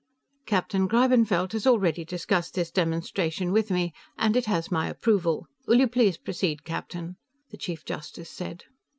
"Captain Greibenfeld has already discussed this demonstration with me, and it has my approval. Will you please proceed, Captain," the Chief Justice said.